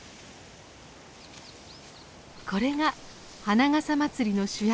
これが「花笠まつり」の主役